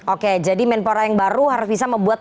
oke jadi menpora yang baru harus bisa membuat